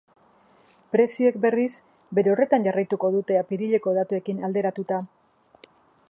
Prezioek, berriz, bere horretan jarraitu dute apirileko datuekin alderatuta.